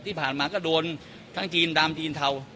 ที่ผ่านมาก็โดนทั้งจีนดำจีนเทา